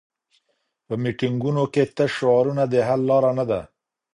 په میټینګونو کي تش شعارونه د حل لاره نه ده.